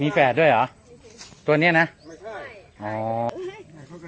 มีแฝดด้วยเหรอตัวเนี้ยนะไม่ใช่อ๋อ